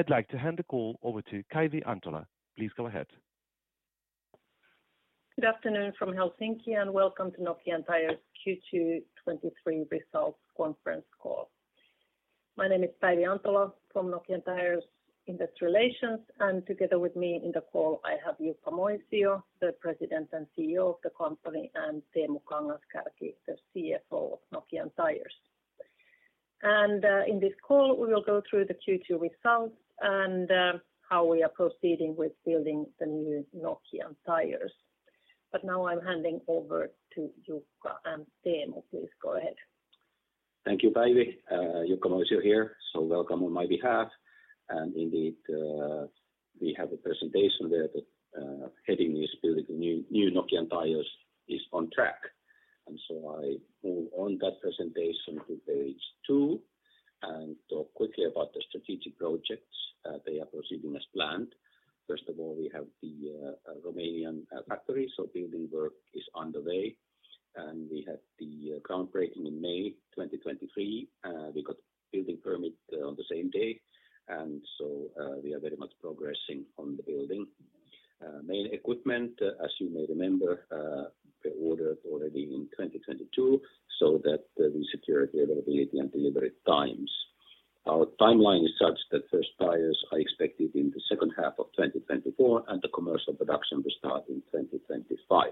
I'd like to hand the call over to Päivi Antola. Please go ahead. Good afternoon from Helsinki, welcome to Nokian Tyres's Q2 2023 Results Conference Call. My name is Päivi Antola from Nokian Tyres Investor Relations, and together with me in the call, I have Jukka Moisio, the President and CEO of the company, and Teemu Kangas-Kärki, the CFO of Nokian Tyres. In this call, we will go through the Q2 results and how we are proceeding with building the new Nokian Tyres. Now I'm handing over to Jukka and Teemu. Please go ahead. Thank you, Päivi. Jukka Moisio here, so welcome on my behalf. Indeed, we have a presentation there that heading is building the new Nokian Tyres is on track. I move on that presentation to Page 2 and talk quickly about the strategic projects, they are proceeding as planned. First of all, we have the Romanian factory, so building work is underway. We had the groundbreaking in May 2023. We got building permit on the same day, so we are very much progressing on the building. Main equipment, as you may remember, were ordered already in 2022, so that we secure the availability and delivery times. Our timeline is such that first tires are expected in the second half of 2024, commercial production will start in 2025.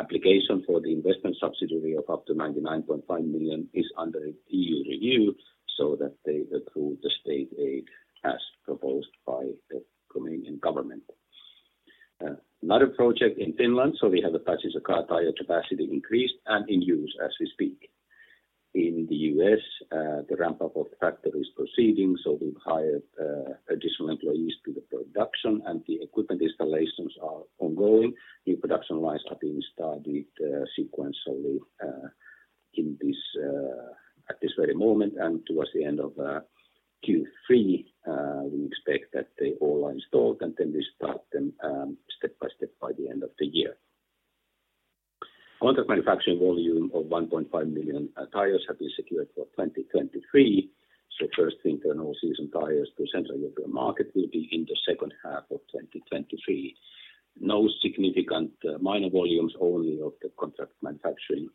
Application for the investment subsidy of up to 99.5 million is under EU review, so that they approve the state aid as proposed by the Romanian government. Another project in Finland, so we have a passenger car tire capacity increased and in use as we speak. In the U.S., the ramp-up of factory is proceeding, so we've hired additional employees to the production and the equipment installations are ongoing. New production lines are being started sequentially in this at this very moment, and towards the end of Q3, we expect that they all are installed and then we start them step by step by the end of the year. Contract manufacturing volume of 1.5 million tires have been secured for 2023. First thing, the all season tires to Central European market will be in the second half of 2023. No significant minor volumes, only of the contract manufacturing,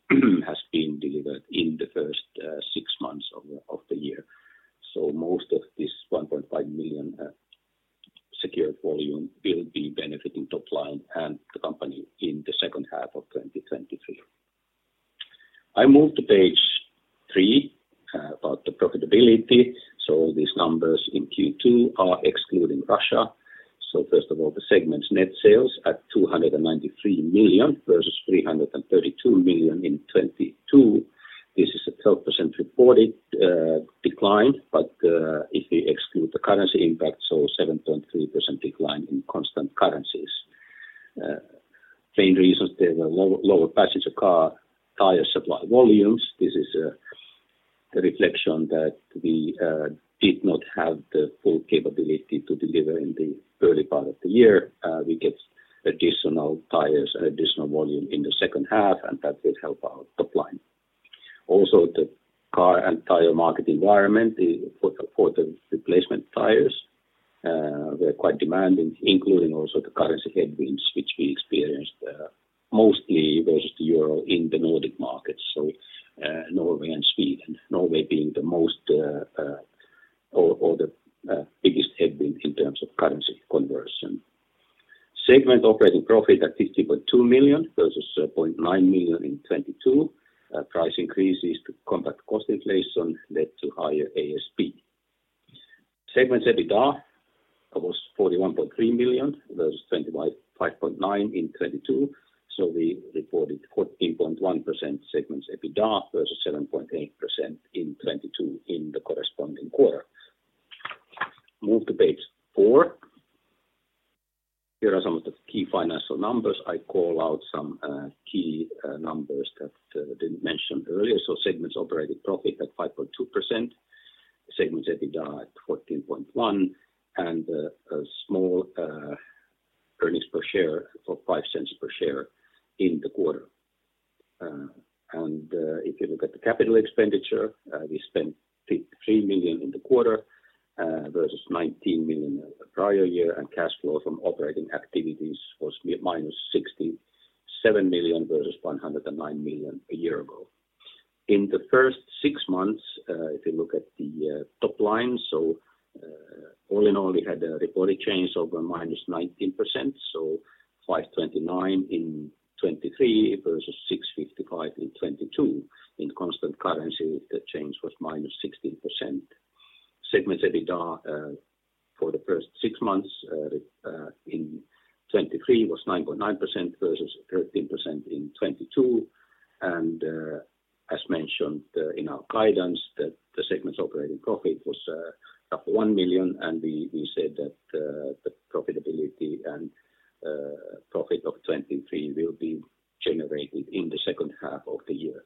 has been delivered in the first six additional tires and additional volume in the second half, that will help our top line. The car and tire market environment for the replacement tires, they're quite demanding, including also the currency headwinds, which we experienced mostly versus the EUR in the Nordic markets. Norway and Sweden. Norway being the most or the biggest headwind in terms of currency conversion. Segment operating profit at 50.2 million versus 0.9 million in 2022. Price increases to combat cost inflation led to higher ASP. Segments, EBITDA was 41.3 million, versus 25.9 in 2022. We reported 14.1% segments EBITDA versus 7.8% in 2022 in the corresponding quarter. Move to page four. Here are some of the key financial numbers. I call out some key numbers that I didn't mention earlier. segments operating profit at 5.2%, segments EBITDA at 14.1%, and a small earnings per share of 0.05 per share in the quarter. If you look at the capital expenditure, we spent 3 million in the quarter versus 19 million the prior year, and cash flow from operating activities was minus 67 million versus 109 million a year ago. months, if you look at the top line, all in all, we had a reported change over -19%, so 529 million in 2023 versus 655 million in 2022. In constant currency, the change was -16%. Segment's EBITDA for the first six months in 2023 was 9.9% versus 13% in 2022. As mentioned in our guidance, the segment's operating profit was up 1 million, and we said that the profitability and profit of 2023 will be generated in the second half of the year.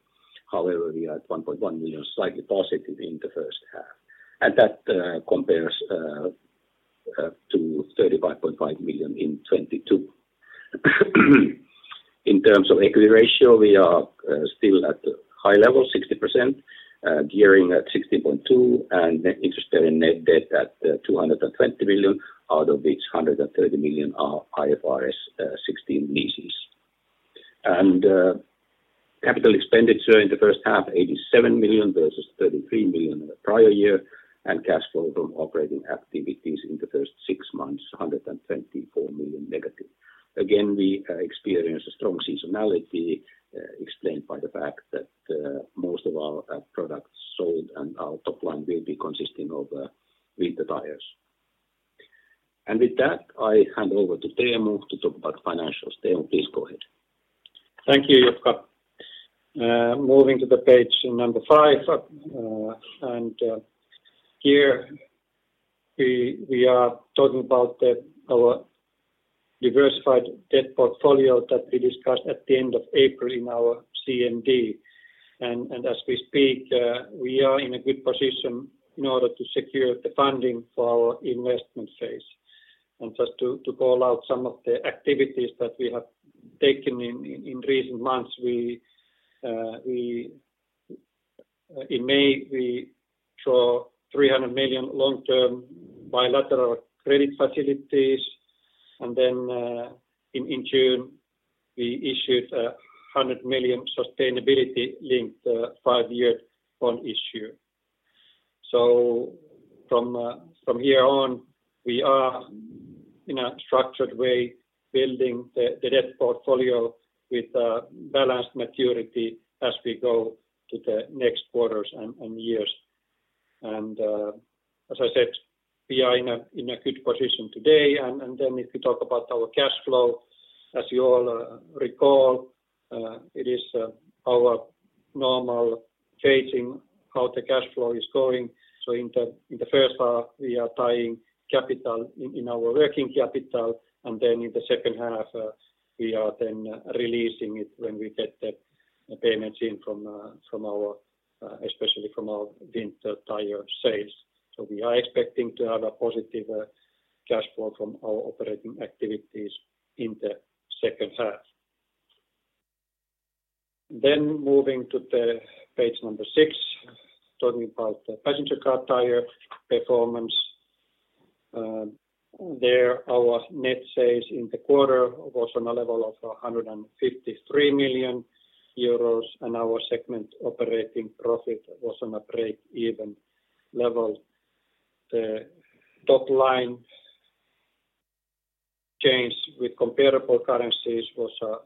However, we are at 1.1 million, slightly positive in the first half, and that compares to 35.5 million in 2022. in terms of equity ratio, we are still at the high level, 60%, gearing at 60.2%, and net interest and net debt at 220 million, out of which 130 million are IFRS 16 leases. Capital expenditure in the first half, 87 million versus 33 million in the prior year, and cash flow from operating activities in the first six months, 124 million negative. Again, we experienced a strong seasonality, explained by the fact that most of our products sold and our top line will be consisting of winter tires. With that, I hand over to Teemu to talk about financials. Teemu, please go ahead. Thank you, Jukka. Moving to Page 5, here we are talking about our diversified debt portfolio that we discussed at the end of April in our CMD. As we speak, we are in a good position in order to secure the funding for our investment phase. Just to call out some of the activities that we have taken in recent months, in May, we draw 300 million long-term bilateral credit facilities, in June, we issued 100 million sustainability-linked, five-year bond issue. From here on, we are, in a structured way, building the debt portfolio with a balanced maturity as we go to the next quarters and years. As I said, we are in a good position today. Then if you talk about our cash flow, as you all recall, it is our normal tracing, how the cash flow is going. In the first half, we are tying capital in our working capital, and then in the second half, we are then releasing it when we get the payments in from our, especially from our winter tire sales. We are expecting to have a positive cash flow from our operating activities in the second half. Moving to the page number 6, talking about the passenger car tire performance. There, our net sales in the quarter was on a level of 153 million euros, and our segment operating profit was on a break-even level. The top line change with comparable currencies was on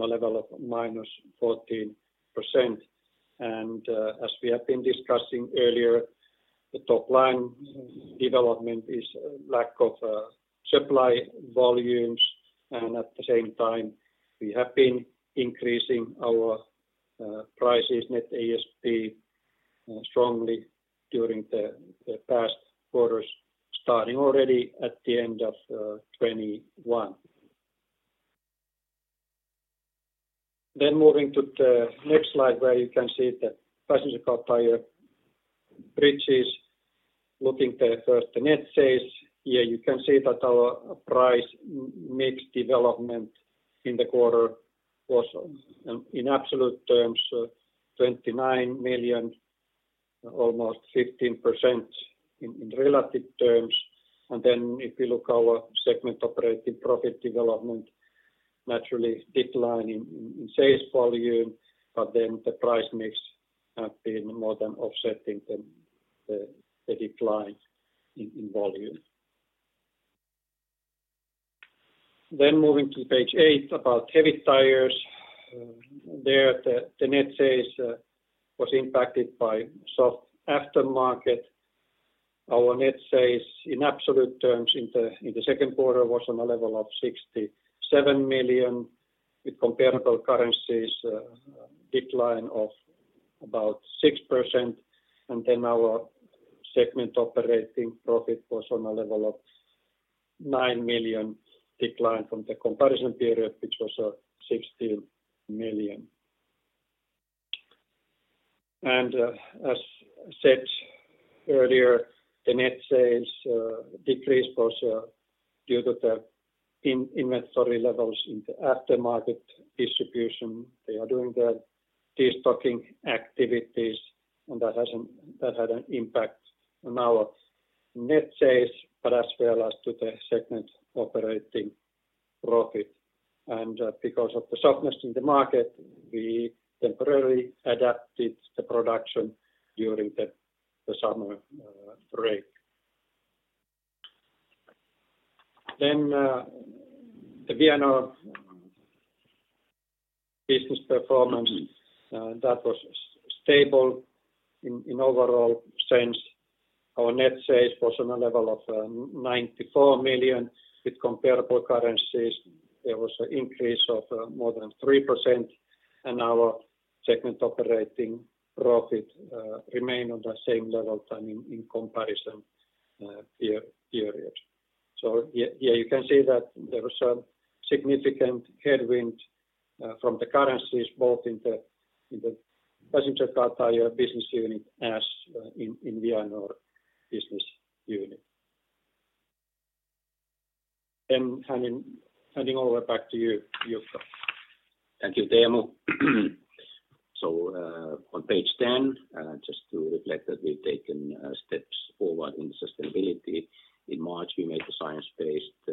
a level of -14%. As we have been discussing earlier, the top-line development is lack of supply volumes, and at the same time, we have been increasing our prices net ASP strongly during the past quarters, starting already at the end of 2021. Moving to the next slide, where you can see the passenger car tire bridges. Looking the first, the net sales, here you can see that our price mix development in the quarter was in absolute terms, 29 million, almost 15% in relative terms. If you look our segment operating profit development, naturally decline in sales volume, but then the price mix have been more than offsetting the decline in volume. Moving to page 8, about heavy tires. There, the net sales was impacted by soft aftermarket. Our net sales in absolute terms in the second quarter was on a level of 67 million. With comparable currencies, decline of about 6%, our segment operating profit was on a level of 9 million, decline from the comparison period, which was 16 million. As said earlier, the net sales decrease was due to the in-inventory levels in the aftermarket distribution. They are doing the destocking activities, that had an impact on our net sales, but as well as to the segment operating profit. Because of the softness in the market, we temporarily adapted the production during the summer break. The Vianor business performance, that was stable in overall sense. Our net sales was on a level of 94 million. With comparable currencies, there was an increase of more than 3%, and our segment operating profit remained on the same level than in comparison year, period. Yeah, you can see that there was a significant headwind from the currencies, both in the passenger car tire business unit, as in Vianor business unit. Handing over back to you, Jukka. Thank you, Teemu. On Page 10, just to reflect that we've taken steps forward in sustainability. In March, we made a science-based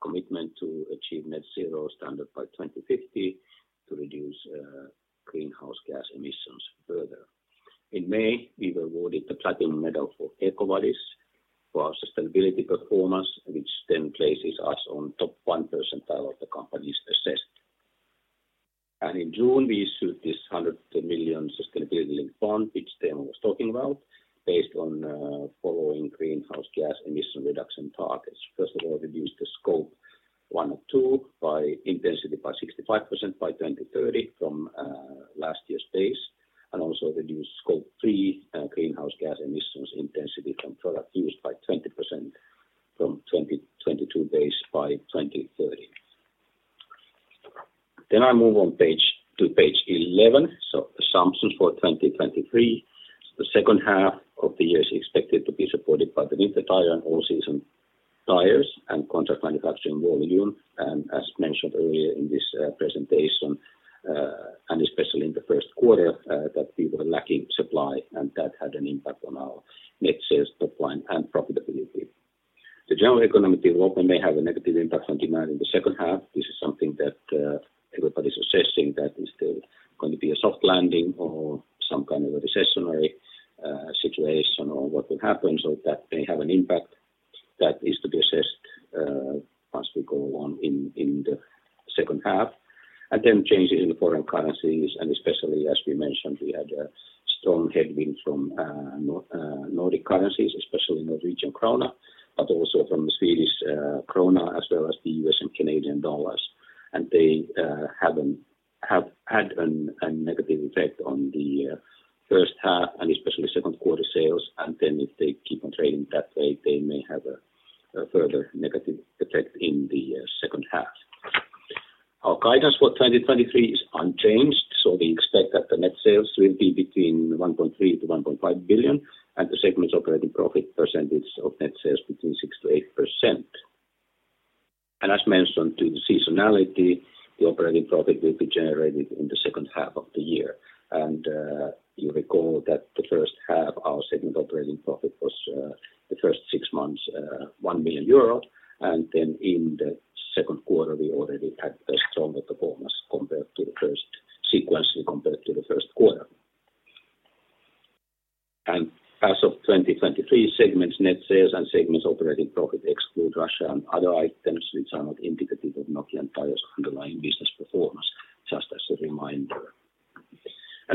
commitment to achieve net zero standard by 2050 to reduce greenhouse gas emissions further. In May, we were awarded the platinum medal for EcoVadis for our sustainability performance, which then places us on top 1 percentile of the companies assessed. In June, we issued this 100 million sustainability-linked bond, which Teemu was talking about, based on following greenhouse gas emission reduction targets. First of all, reduce the Scope 1 or 2 by intensity by 65% by 2030 from last year's base, and also reduce Scope 3 greenhouse gas emissions intensity from product used by 20% from 2022 base by 2030. I move to page 11. Assumptions for 2023. The second half of the year is expected to be supported by the winter tire and all season tires and contract manufacturing volume. As mentioned earlier in this presentation, and especially in the first quarter, that we were lacking supply, and that had an impact on our net sales, top line, and profitability. The general economic development may have a negative impact on demand in the second half. This is something that everybody's assessing, that is there going to be a soft landing or some kind of a recessionary situation or what will happen. That may have an impact that is to be assessed once we go on in the second half. Changes in the foreign currencies, especially as we mentioned, we had a strong headwind from Nordic currencies, especially NOK, but also from the Swedish SEK, as well as the $ and CAD. They have had a negative effect on the first half and especially second quarter sales. If they keep on trading that way, they may have a further negative effect in the second half. Our guidance for 2023 is unchanged, so we expect that the net sales will be between 1.3 billion-1.5 billion, and the segment's operating profit percentage of net sales between 6%-8%. As mentioned, due to seasonality, the operating profit will be generated in the second half of the year. You recall that the first half, our segment operating profit was the first six months, 1 million euro, and then in the second quarter, we already had a stronger performance compared to the first sequentially compared to the first quarter. As of 2023, segments net sales and segments operating profit exclude Russia and other items which are not indicative of Nokian Tyres' underlying business performance, just as a reminder.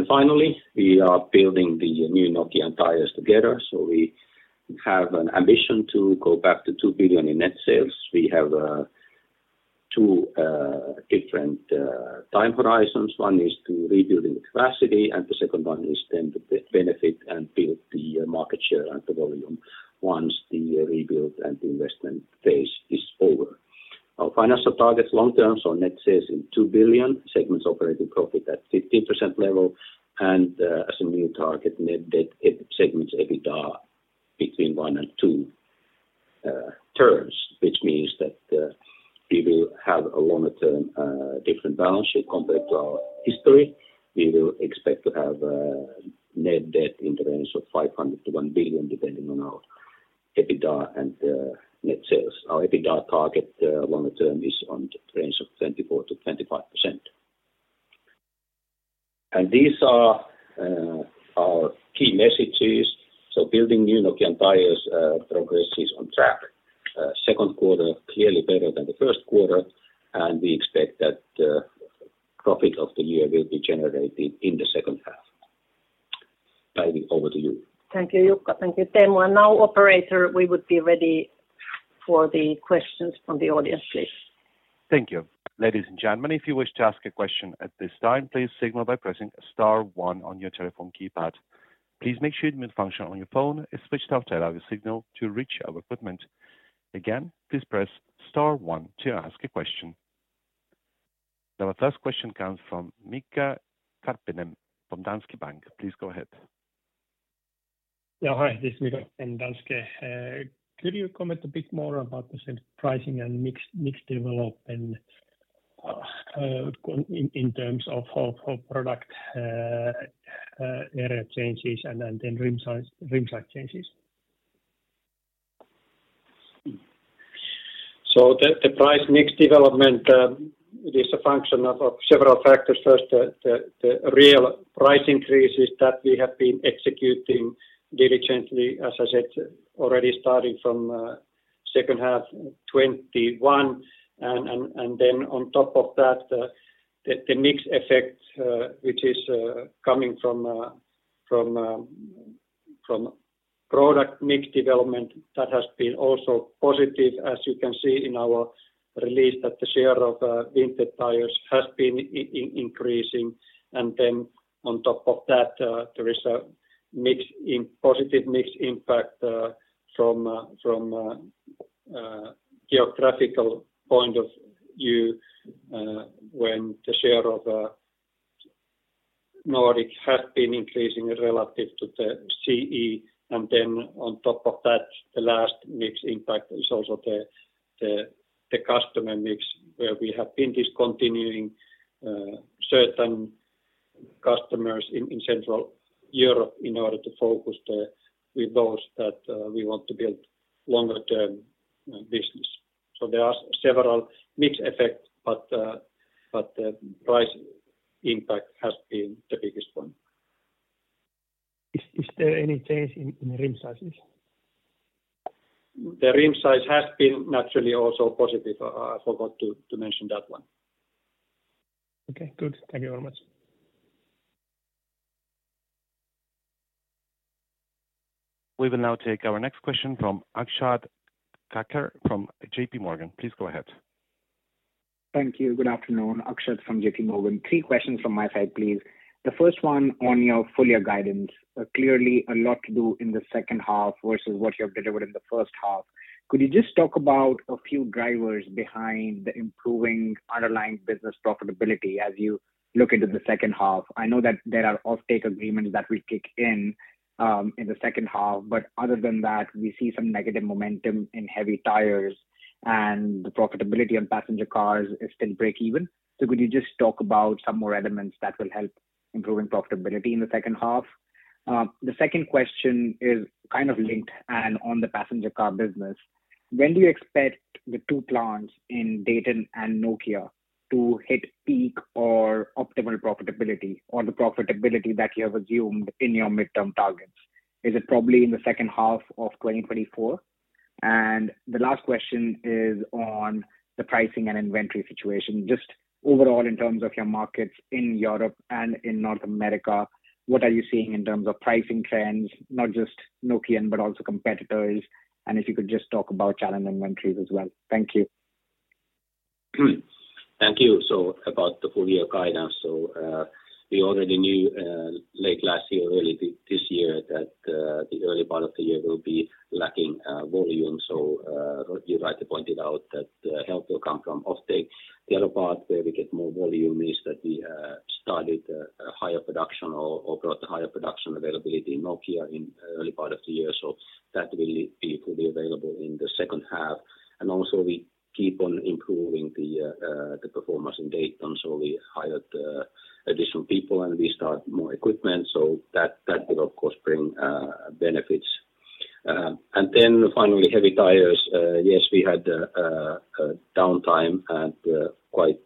Finally, we are building the new Nokian Tyres together, so we have an ambition to go back to 2 billion in net sales. We have two different time horizons. One is to rebuilding the capacity, and the second one is then to benefit and build the market share and the volume once the rebuild and the investment phase is over. Our financial targets long term: net sales in 2 billion, segments operating profit at 15% level, as a new target, net debt segments, EBITDA between one and two terms, which means that we will have a longer-term different balance sheet compared to our history. We will expect to have net debt in the range of 500 million-1 billion, depending on our EBITDA and net sales. Our EBITDA target longer term is on the range of 24%-25%. These are our key messages. Building new Nokian Tyres, progress is on track. Second quarter clearly better than the first quarter, we expect that profit of the year will be generated in the second half. Päivi, over to you. Thank you, Jukka. Thank you, Teemu. Now, operator, we would be ready for the questions from the audience, please. Thank you. Ladies and gentlemen, if you wish to ask a question at this time, please signal by pressing star one on your telephone keypad. Please make sure the mute function on your phone is switched off to allow the signal to reach our equipment. Again, please press star one to ask a question. Now, our first question comes from Mika Karppinen from Danske Bank. Please go ahead. Yeah, hi, this is Mika from Danske. Could you comment a bit more about the sales pricing and mix development in terms of product area changes and then rim size changes? The price mix development, it is a function of several factors. First, the real price increases that we have been executing diligently, as I said, already starting from second half 2021. Then on top of that, the mix effect, which is coming from product mix development, that has been also positive, as you can see in our release, that the share of winter tires has been increasing. Then on top of that, there is a positive mix impact from geographical point of view, when the share of Nordic has been increasing relative to the CE. On top of that, the last mix impact is also the customer mix, where we have been discontinuing certain customers in Central Europe in order to focus with those that we want to build longer-term business. There are several mix effects, but the price impact has been the biggest one. Is there any change in the rim sizes? The rim size has been naturally also positive. I forgot to mention that one. Okay, good. Thank you very much. We will now take our next question from Akshat Kacker from JPMorgan. Please go ahead. Thank you. Good afternoon, Akshat from JPMorgan. Three questions from my side, please. Clearly a lot to do in the second half versus what you have delivered in the first half. Could you just talk about a few drivers behind the improving underlying business profitability as you look into the second half? I know that there are offtake agreements that will kick in in the second half, but other than that, we see some negative momentum in heavy tires, and the profitability of passenger cars is still breakeven. Could you just talk about some more elements that will help improving profitability in the second half? The second question is kind of linked and on the passenger car business: When do you expect the two plants in Dayton and Nokia to hit peak or optimal profitability, or the profitability that you have assumed in your midterm targets? Is it probably in the second half of 2024? The last question is on the pricing and inventory situation. Just overall, in terms of your markets in Europe and in North America, what are you seeing in terms of pricing trends, not just Nokian, but also competitors? If you could just talk about challenge inventories as well. Thank you. Thank you. About the full-year guidance, we already knew late last year, early this year, that the early part of the year will be lacking volume. You're right to point it out that help will come from offtake. The other part where we get more volume is that we started a higher production or got higher production availability in Nokia in early part of the year, that will be fully available in the second half. Also we keep on improving the performance in Dayton. We hired additional people, and we start more equipment, that will, of course, bring benefits. Finally, heavy tires. Yes, we had a downtime and quite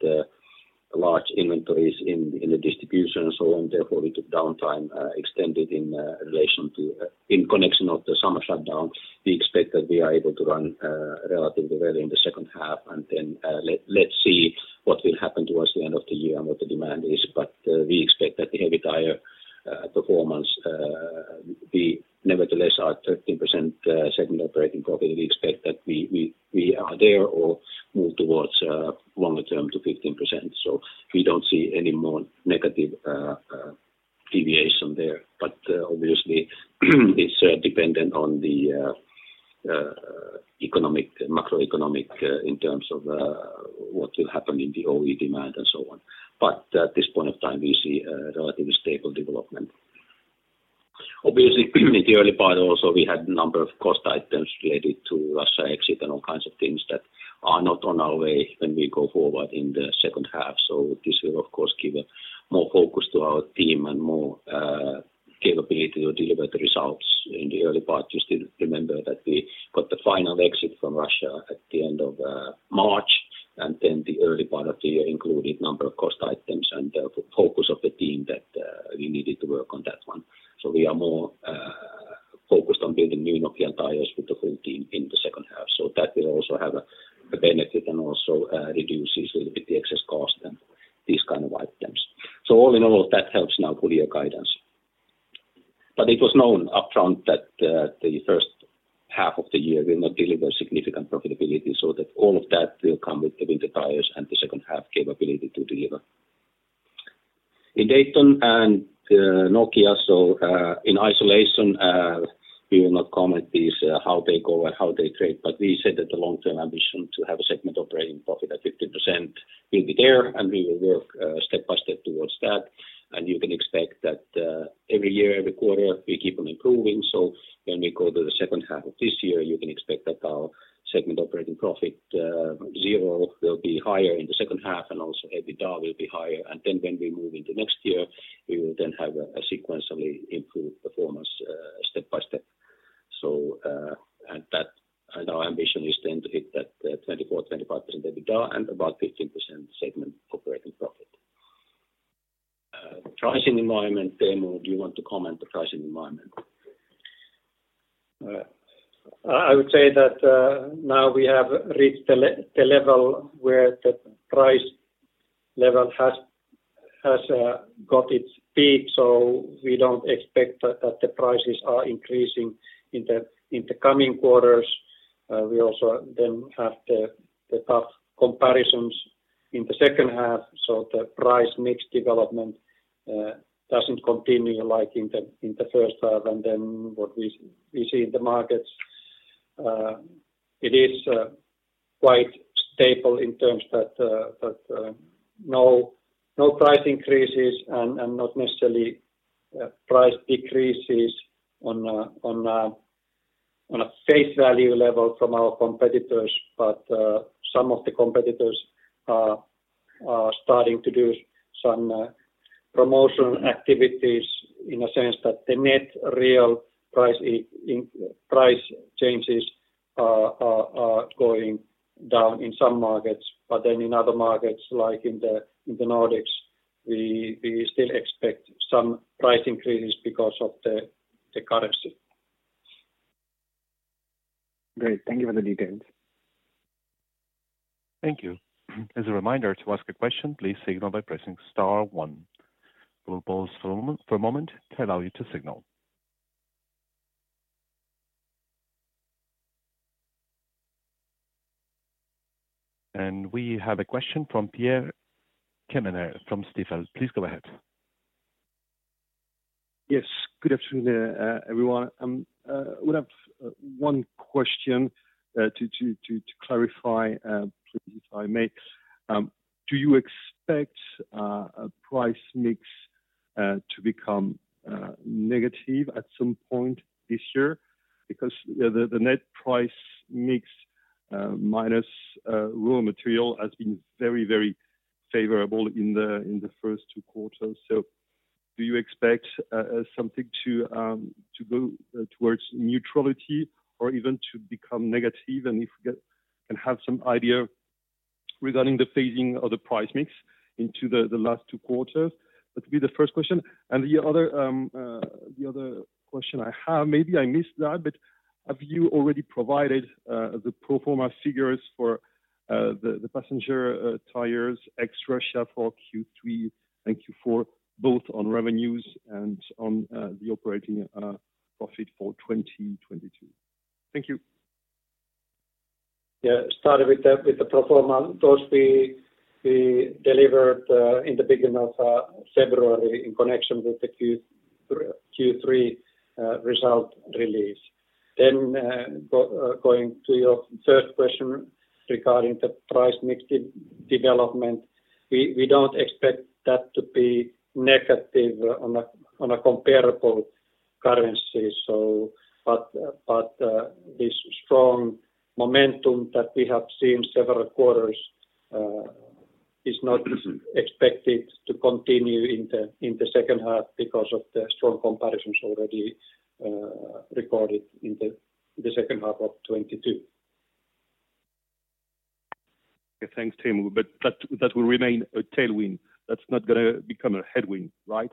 large inventories in the distribution. And therefore, we took downtime, extended in relation to in connection of the summer shutdown. We expect that we are able to run relatively well in the second half, and then, let's see what will happen towards the end of the year and what the demand is. We expect that the heavy tire performance be nevertheless, our 13% segment operating profit, we expect that we are there or move towards longer term to 15%. We don't see any more negative deviation there. Obviously, it's dependent on the economic, macroeconomic, in terms of what will happen in the OE demand and so on. At this point of time, we see a relatively stable development. Obviously, in the early part also, we had a number of cost items related to Russia exit and all kinds of things that are not on our way when we go forward in the second half. This will, of course, give a more focus to our team and more capability to deliver the results. In the early part, you still remember that we got the final exit from Russia at the end of March. The early part of the year included number of cost items and therefore, focus of the team that we needed to work on that one. We are more focused on building new Nokian Tyres with the whole team in the second half. That will also have a benefit and also reduces little bit the excess cost and these kind of items. All in all, that helps now full year guidance. It was known upfront that the first half of the year will not deliver significant profitability, so that all of that will come with the winter tires and the second half capability to deliver. In Dayton and Nokian Tyres, in isolation, we will not comment these, how they go and how they trade, but we said that the long-term ambition to have a segment operating profit at 15% will be there. We will work step by step towards that. You can expect that every year, every quarter, we keep on improving. When we go to the second half of this year, you can expect that our segment operating profit will be higher in the second half. Also EBITDA will be higher. When we move into next year, we will then have a sequentially improved performance, step by step. Our ambition is then to hit that 24%-25% EBITDA and about 15% segment operating profit. Pricing environment, Teemu, do you want to comment the pricing environment? I would say that now we have reached the level where the price level has got its peak, so we don't expect that the prices are increasing in the coming quarters. We also then have the tough comparisons in the second half, so the price mix development doesn't continue like in the first half, and then what we see in the markets. It is quite stable in terms that no price increases and not necessarily price decreases on a face value level from our competitors. Some of the competitors are starting to do some promotional activities in a sense that the net real price changes are going down in some markets, but then in other markets, like in the Nordics, we still expect some price increases because of the currency. Great. Thank you for the details. Thank you. As a reminder, to ask a question, please signal by pressing star one. We'll pause for a moment to allow you to signal. We have a question from Pierre-Yves Quemener from Stifel. Please go ahead. Yes. Good afternoon, everyone. Would have one question to clarify, please, if I may. Do you expect a price mix to become negative at some point this year? Because the net price mix minus raw material has been very, very favorable in the first two quarters. Do you expect something to go towards neutrality or even to become negative? If we can have some idea regarding the phasing of the price mix into the last two quarters. That will be the first question. The other question I have, maybe I missed that, but have you already provided the pro forma figures for the passenger tires ex Russia for Q3? Thank you for both on revenues and on, the operating profit for 2022. Thank you. Starting with the pro forma, those we delivered in the beginning of February in connection with the Q3 result release. Going to your first question regarding the price mix development, we don't expect that to be negative on a comparable currency. This strong momentum that we have seen several quarters is not expected to continue in the second half because of the strong comparisons already recorded in the second half of 2022. Thanks, Teemu. That will remain a tailwind. That's not gonna become a headwind, right?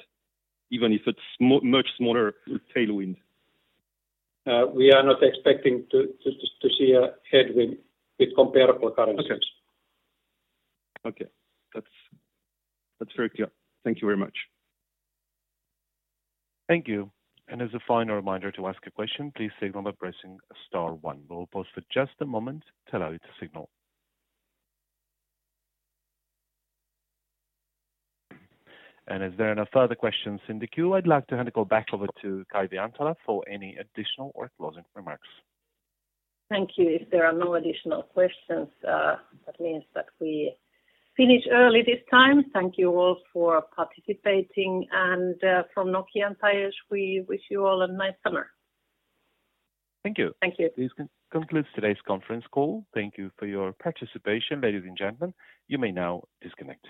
Even if it's much smaller tailwind. We are not expecting to see a headwind with comparable currencies. Okay. Okay, that's very clear. Thank you very much. Thank you. As a final reminder, to ask a question, please signal by pressing star one. We'll pause for just a moment to allow you to signal. As there are no further questions in the queue, I'd like to hand it back over to Päivi Antola for any additional or closing remarks. Thank you. If there are no additional questions, that means that we finish early this time. Thank you all for participating. From Nokian Tyres, we wish you all a nice summer. Thank you. Thank you. This concludes today's conference call. Thank you for your participation, ladies and gentlemen. You may now disconnect.